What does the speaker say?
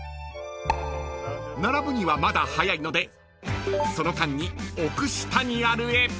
［並ぶにはまだ早いのでその間にオクシタニアルへ］